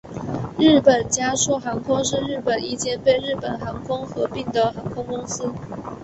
日本佳速航空是日本一间被日本航空合并的航空公司。